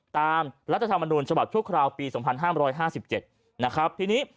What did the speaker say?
ตามรัฐธรรมนูลฉบัดชุดคราวปีสองพันห้ามร้อยห้าสิบเจ็ดนะครับทีนี้